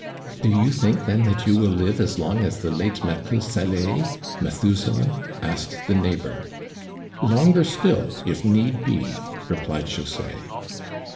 " Do you think, then, that you will live as long as the late Maqueue salé [Methuselah] ?" asked the neighbor. " Longer still, if need be," replied José.